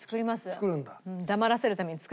作るんだ。